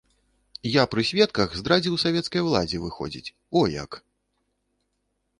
Я пры сведках здрадзіў савецкай уладзе, выходзіць, о як!